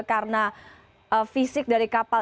karena fisik dari kapal